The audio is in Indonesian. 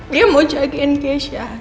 dia mau jagain keisha